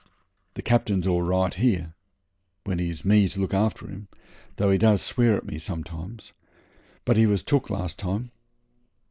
The Captain's all right here, when he's me to look after him, though he does swear at me sometimes; but he was took last time.